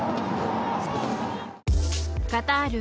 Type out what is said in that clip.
カタール